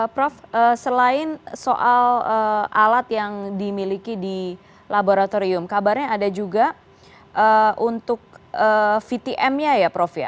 prof selain soal alat yang dimiliki di laboratorium kabarnya ada juga untuk vtm nya ya prof ya